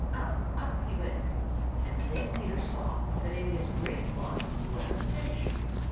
Up, up he went, and then Peter saw that in his great claws was a fish.